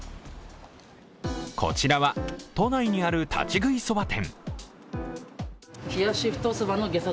こちらは、都内にある立ち食いそば店。